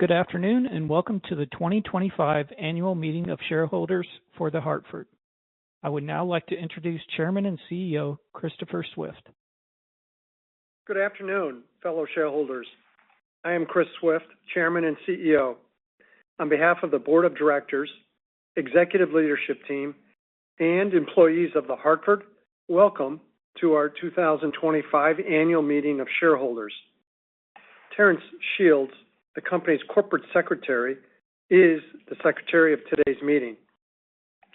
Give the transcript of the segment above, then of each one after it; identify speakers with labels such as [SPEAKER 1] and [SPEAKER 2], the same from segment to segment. [SPEAKER 1] Good afternoon, and welcome to the 2025 Annual Meeting of Shareholders for The Hartford. I would now like to introduce Chairman and CEO, Christopher Swift.
[SPEAKER 2] Good afternoon, fellow shareholders. I am Chris Swift, Chairman and CEO. On behalf of the Board of Directors, executive leadership team, and employees of The Hartford, welcome to our 2025 Annual Meeting of Shareholders. Terence Shields, the company's corporate secretary, is the secretary of today's meeting.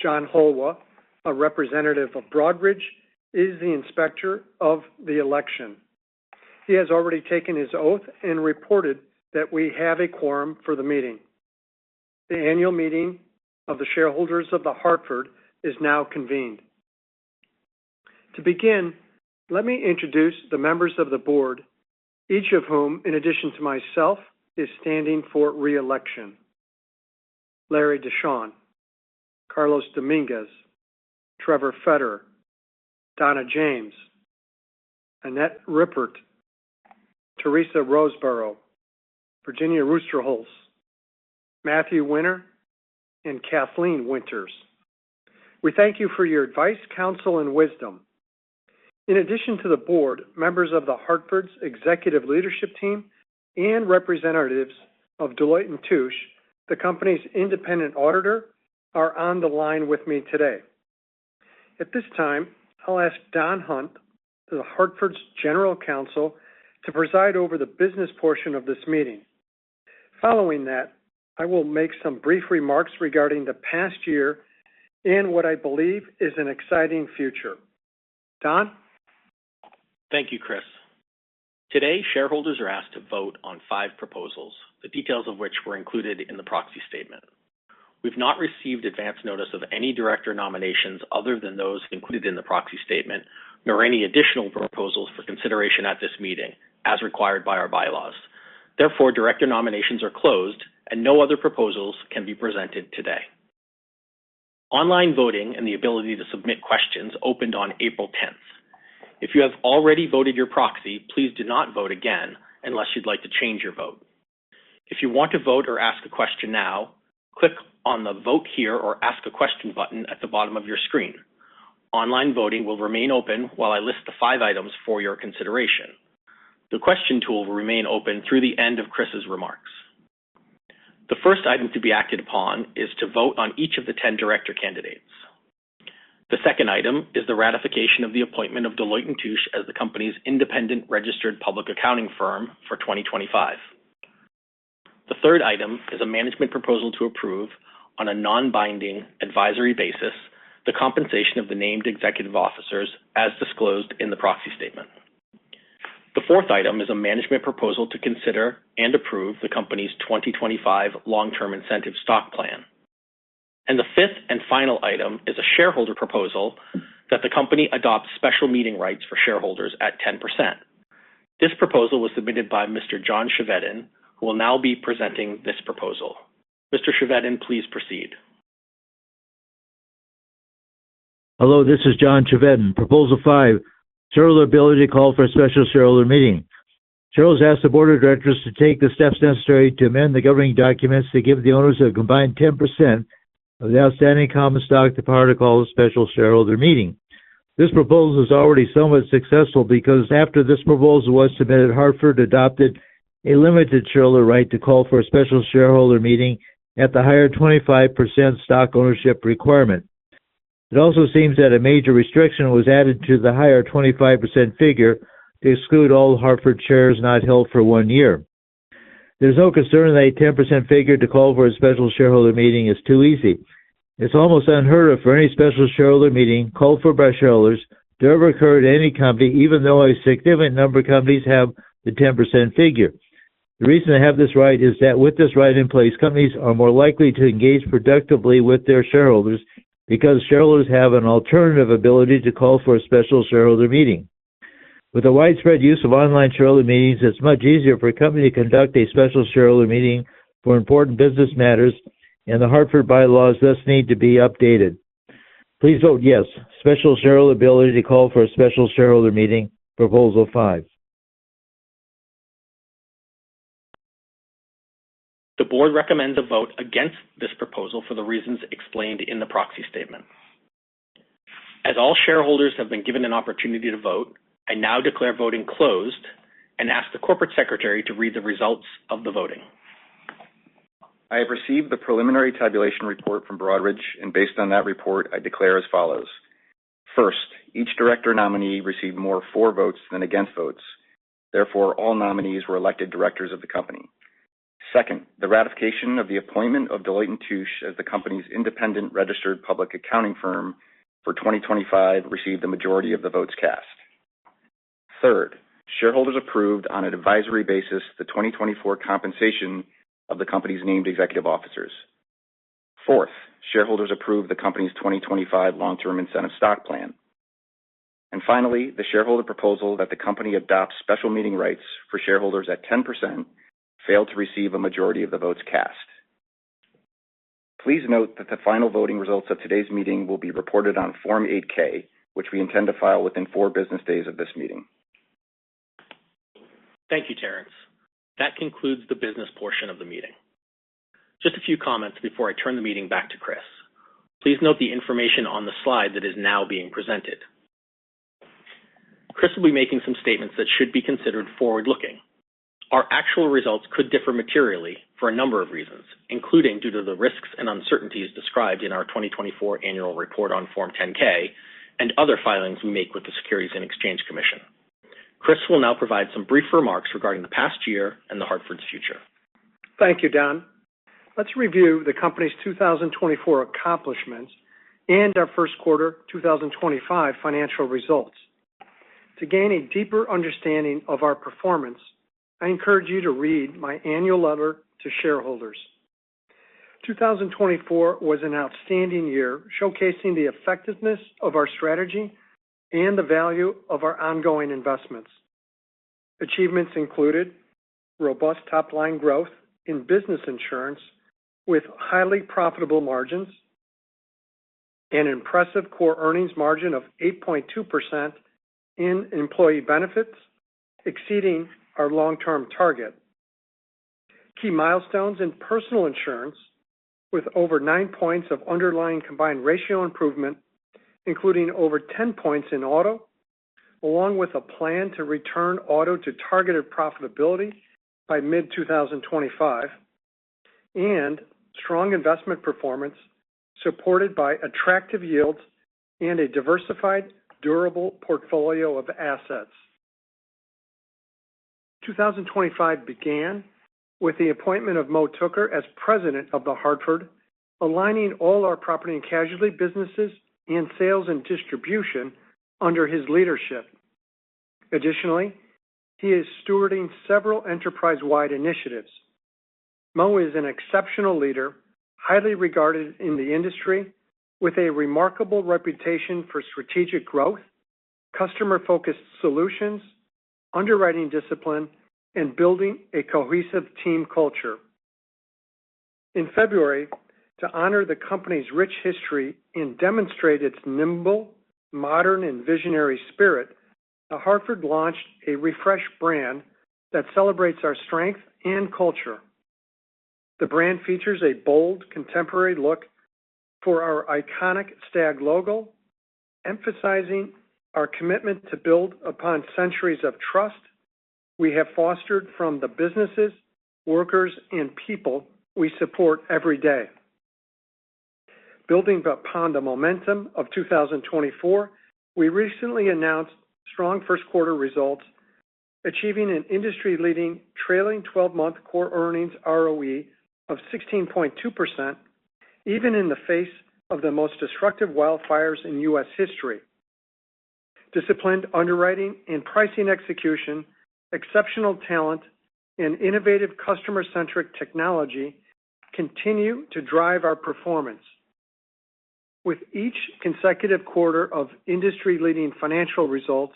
[SPEAKER 2] John Holwa, a representative of Broadridge, is the inspector of the election. He has already taken his oath and reported that we have a quorum for the meeting. The annual meeting of the shareholders of The Hartford is now convened. To begin, let me introduce the members of the board, each of whom, in addition to myself, is standing for reelection. Larry D. De Shon, Carlos Dominguez, Trevor Fetter, Donna James, Annette Rippert, Teresa Roseboro, Virginia P. Ruesterholz, Matthew E. Winter, and Kathleen Winters. We thank you for your advice, counsel, and wisdom. In addition to the board, members of The Hartford's executive leadership team and representatives of Deloitte & Touche, the company's independent auditor, are on the line with me today. At this time, I'll ask Don Hunt, The Hartford's General Counsel, to preside over the business portion of this meeting. Following that, I will make some brief remarks regarding the past year and what I believe is an exciting future. Don?
[SPEAKER 3] Thank you, Chris. Today, shareholders are asked to vote on five proposals, the details of which were included in the Proxy Statement. We've not received advance notice of any director nominations other than those included in the Proxy Statement, nor any additional proposals for consideration at this meeting, as required by our Bylaws. Therefore, director nominations are closed, and no other proposals can be presented today. Online voting and the ability to submit questions opened on April 10th. If you have already voted your proxy, please do not vote again unless you'd like to change your vote. If you want to vote or ask a question now, click on the Vote Here or Ask a Question button at the bottom of your screen. Online voting will remain open while I list the five items for your consideration. The question tool will remain open through the end of Chris's remarks. The first item to be acted upon is to vote on each of the ten director candidates. The second item is the ratification of the appointment of Deloitte & Touche as the company's independent registered public accounting firm for 2025. The third item is a management proposal to approve, on a non-binding advisory basis, the compensation of the named executive officers as disclosed in the proxy statement. The fourth item is a management proposal to consider and approve the company's 2025 long-term incentive stock plan, and the fifth and final item is a shareholder proposal that the company adopts special meeting rights for shareholders at 10%. This proposal was submitted by Mr. John Chevedden, who will now be presenting this proposal. Mr. Chevedden, please proceed. Hello, this is John Chevedden. Proposal five, shareholder ability to call for a special shareholder meeting. Shareholders ask the board of directors to take the steps necessary to amend the governing documents to give the owners a combined 10% of the outstanding common stock the power to call a special shareholder meeting. This proposal is already somewhat successful because after this proposal was submitted, Hartford adopted a limited shareholder right to call for a special shareholder meeting at the higher 25% stock ownership requirement. It also seems that a major restriction was added to the higher 25% figure to exclude all Hartford shares not held for one year. There's no concern that a 10% figure to call for a special shareholder meeting is too easy. It's almost unheard of for any special shareholder meeting called for by shareholders to ever occur at any company, even though a significant number of companies have the 10% figure. The reason to have this right is that with this right in place, companies are more likely to engage productively with their shareholders, because shareholders have an alternative ability to call for a special shareholder meeting. With the widespread use of online shareholder meetings, it's much easier for a company to conduct a special shareholder meeting for important business matters, and The Hartford bylaws thus need to be updated. Please vote yes. Special shareholder ability to call for a special shareholder meeting, proposal five. The Board recommends a vote against this proposal for the reasons explained in the Proxy Statement. As all shareholders have been given an opportunity to vote, I now declare voting closed and ask the Corporate Secretary to read the results of the voting.
[SPEAKER 1] I have received the preliminary tabulation report from Broadridge, and based on that report, I declare as follows: First, each director nominee received more for votes than against votes. Therefore, all nominees were elected directors of the company. Second, the ratification of the appointment of Deloitte & Touche as the company's independent registered public accounting firm for 2025 received the majority of the votes cast. Third, shareholders approved, on an advisory basis, the twenty twenty-four compensation of the company's named executive officers. Fourth, shareholders approved the company's 2025 long-term incentive stock plan. And finally, the shareholder proposal that the company adopts special meeting rights for shareholders at 10% failed to receive a majority of the votes cast. Please note that the final voting results of today's meeting will be reported on Form 8-K, which we intend to file within four business days of this meeting.
[SPEAKER 3] Thank you, Terence. That concludes the business portion of the meeting. Just a few comments before I turn the meeting back to Chris. Please note the information on the slide that is now being presented. Chris will be making some statements that should be considered forward-looking. Our actual results could differ materially for a number of reasons, including due to the risks and uncertainties described in our 2024 annual report on Form 10-K and other filings we make with the Securities and Exchange Commission. Chris will now provide some brief remarks regarding the past year and The Hartford's future.
[SPEAKER 2] Thank you, Don. Let's review the company's two thousand and twenty-four accomplishments and our first quarter 2025 financial results. To gain a deeper understanding of our performance, I encourage you to read my annual letter to shareholders. 2024 was an outstanding year, showcasing the effectiveness of our strategy and the value of our ongoing investments. Achievements included robust top-line growth in business insurance with highly profitable margins, an impressive core earnings margin of 8.2% in employee benefits, exceeding our long-term target. Key milestones in personal insurance with over nine points of underlying combined ratio improvement, including over 10 points in auto, along with a plan to return auto to targeted profitability by mid-2025, and strong investment performance supported by attractive yields and a diversified, durable portfolio of assets. 2025 began with the appointment of Mo Tooker as President of The Hartford, aligning all our Property and Casualty businesses and sales and distribution under his leadership. Additionally, he is stewarding several enterprise-wide initiatives. Mo is an exceptional leader, highly regarded in the industry, with a remarkable reputation for strategic growth, customer-focused solutions, underwriting discipline, and building a cohesive team culture. In February, to honor the company's rich history and demonstrate its nimble, modern, and visionary spirit, The Hartford launched a refreshed brand that celebrates our strength and culture. The brand features a bold, contemporary look for our iconic stag logo, emphasizing our commitment to build upon centuries of trust we have fostered from the businesses, workers, and people we support every day. Building upon the momentum of 2024, we recently announced strong first quarter results, achieving an industry-leading trailing 12-month core earnings ROE of 16.2%, even in the face of the most destructive wildfires in U.S. history. Disciplined underwriting and pricing execution, exceptional talent, and innovative customer-centric technology continue to drive our performance. With each consecutive quarter of industry-leading financial results,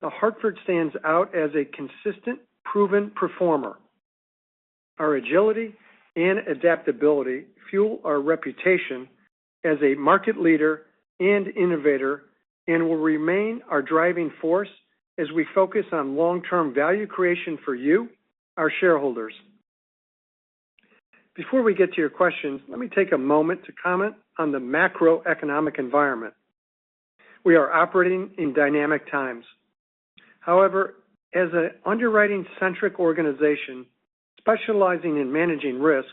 [SPEAKER 2] The Hartford stands out as a consistent, proven performer. Our agility and adaptability fuel our reputation as a market leader and innovator and will remain our driving force as we focus on long-term value creation for you, our shareholders. Before we get to your questions, let me take a moment to comment on the macroeconomic environment. We are operating in dynamic times. However, as an underwriting-centric organization specializing in managing risk,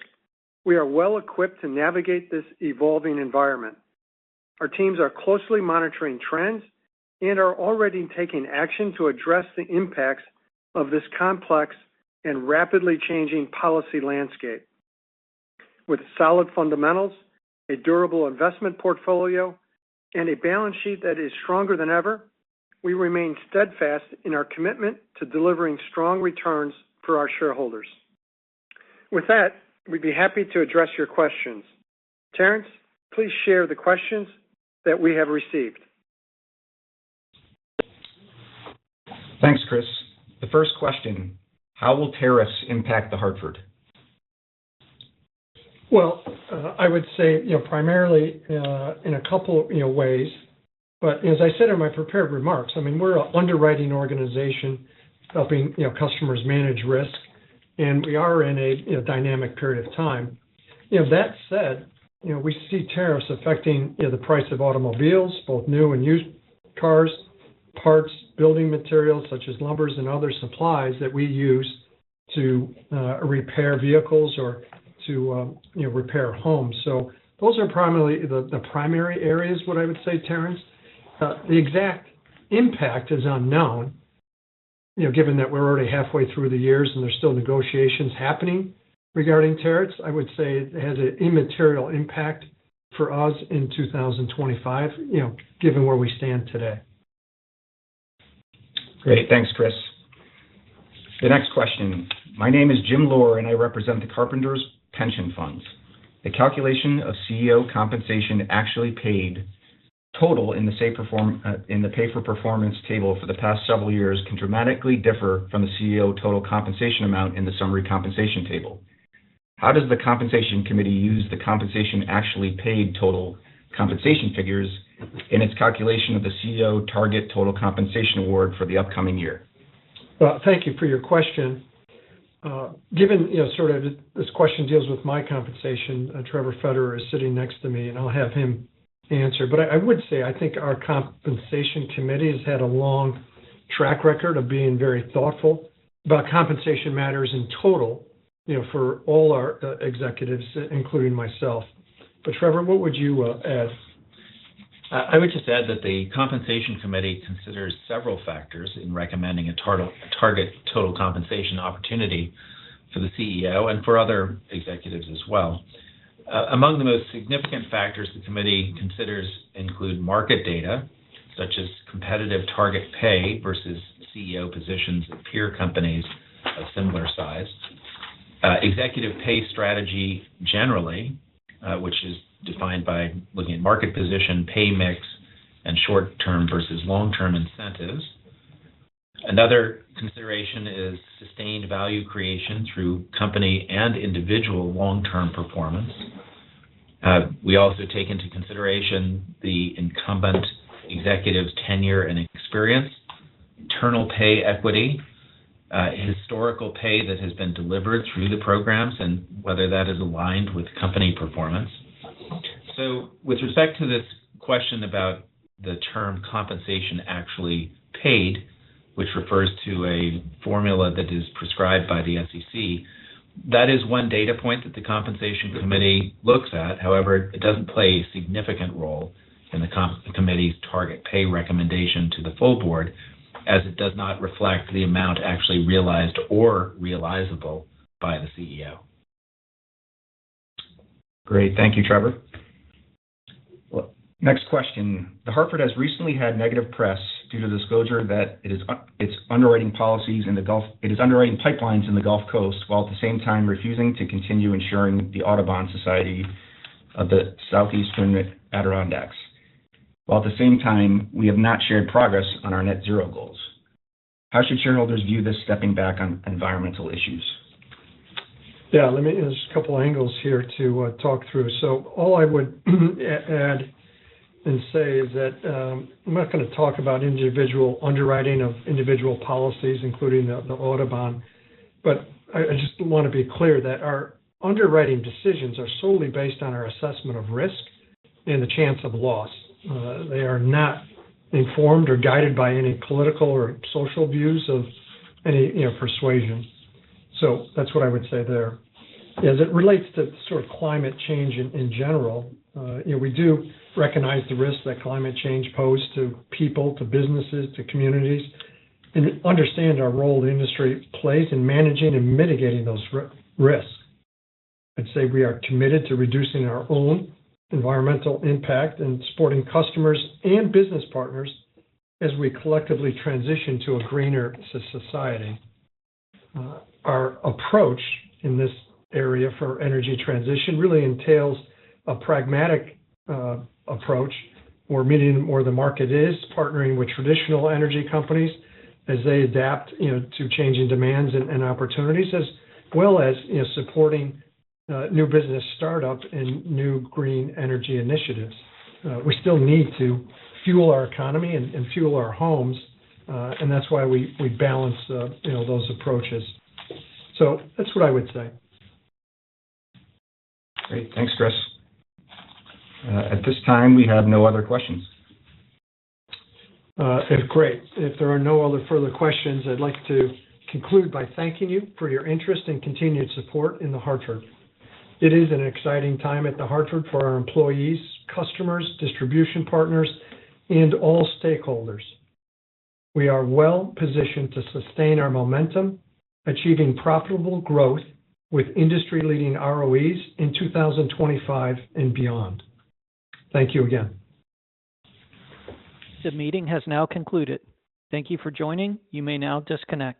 [SPEAKER 2] we are well equipped to navigate this evolving environment. Our teams are closely monitoring trends and are already taking action to address the impacts of this complex and rapidly changing policy landscape. With solid fundamentals, a durable investment portfolio, and a balance sheet that is stronger than ever, we remain steadfast in our commitment to delivering strong returns for our shareholders. With that, we'd be happy to address your questions. Terence, please share the questions that we have received.
[SPEAKER 1] Thanks, Chris. The first question: How will tariffs impact The Hartford?
[SPEAKER 2] Well, I would say, you know, primarily, in a couple, you know, ways, but as I said in my prepared remarks, I mean, we're an underwriting organization helping, you know, customers manage risk, and we are in a, you know, dynamic period of time. You know, that said, you know, we see tariffs affecting, you know, the price of automobiles, both new and used cars, parts, building materials such as lumber and other supplies that we use to repair vehicles or to, you know, repair homes. So those are primarily the primary areas, what I would say, Terence. The exact impact is unknown. You know, given that we're already halfway through the year and there's still negotiations happening regarding tariffs, I would say it has an immaterial impact for us in 2025, you know, given where we stand today.
[SPEAKER 1] Great. Thanks, Chris. The next question. My name is Jim Lohr, and I represent the Carpenters Pension Funds. The calculation of CEO compensation actually paid total in the Pay Versus Performance table for the past several years can dramatically differ from the CEO total compensation amount in the Summary Compensation Table. How does the compensation committee use the compensation actually paid total compensation figures in its calculation of the CEO target total compensation award for the upcoming year?
[SPEAKER 2] Thank you for your question. Given, you know, sort of this question deals with my compensation, Trevor Fetter is sitting next to me, and I'll have him answer. But I, I would say, I think our compensation committee has had a long track record of being very thoughtful about compensation matters in total, you know, for all our executives, including myself. But Trevor, what would you add?
[SPEAKER 4] I would just add that the compensation committee considers several factors in recommending a target total compensation opportunity for the CEO and for other executives as well. Among the most significant factors the committee considers include market data, such as competitive target pay versus CEO positions at peer companies of similar size. Executive pay strategy generally, which is defined by looking at market position, pay mix, and short-term versus long-term incentives. Another consideration is sustained value creation through company and individual long-term performance. We also take into consideration the incumbent executive's tenure and experience, internal pay equity, historical pay that has been delivered through the programs, and whether that is aligned with company performance. With respect to this question about the term Compensation Actually Paid, which refers to a formula that is prescribed by the SEC, that is one data point that the compensation committee looks at. However, it doesn't play a significant role in the compensation committee's target pay recommendation to the full board, as it does not reflect the amount actually realized or realizable by the CEO.
[SPEAKER 1] Great. Thank you, Trevor. Next question. The Hartford has recently had negative press due to disclosure that it is underwriting pipelines in the Gulf Coast, while at the same time refusing to continue insuring the Audubon Society of the Southeastern Adirondacks. While at the same time, we have not shared progress on our Net Zero goals. How should shareholders view this stepping back on environmental issues?
[SPEAKER 2] Yeah, let me... There's a couple angles here to talk through. So all I would add and say is that I'm not gonna talk about individual underwriting of individual policies, including the Audubon. But I just want to be clear that our underwriting decisions are solely based on our assessment of risk and the chance of loss. They are not informed or guided by any political or social views of any, you know, persuasion. So that's what I would say there. As it relates to sort of climate change in general, you know, we do recognize the risks that climate change pose to people, to businesses, to communities, and understand our role the industry plays in managing and mitigating those risks. I'd say we are committed to reducing our own environmental impact and supporting customers and business partners as we collectively transition to a greener society. Our approach in this area for energy transition really entails a pragmatic approach, where we meet the market where it is, partnering with traditional energy companies as they adapt, you know, to changing demands and opportunities, as well as, you know, supporting new business startups and new green energy initiatives. We still need to fuel our economy and fuel our homes, and that's why we balance the, you know, those approaches. That's what I would say.
[SPEAKER 1] Great. Thanks, Chris. At this time, we have no other questions.
[SPEAKER 2] Great. If there are no other further questions, I'd like to conclude by thanking you for your interest and continued support in The Hartford. It is an exciting time at The Hartford for our employees, customers, distribution partners, and all stakeholders. We are well positioned to sustain our momentum, achieving profitable growth with industry-leading ROEs in 2025 and beyond. Thank you again.
[SPEAKER 3] The meeting has now concluded. Thank you for joining. You may now disconnect.